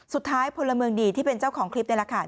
สุดท้ายพลเมืองดีที่เป็นเจ้าของคลิปในราคา